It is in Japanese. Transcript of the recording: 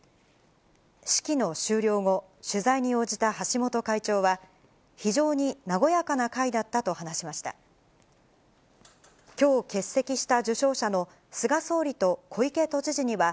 式の終了後、取材に応じた橋本会長は、非常に和やかな会だったと話しました。